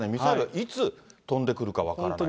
ミサイルがいつ飛んでくるか分からない。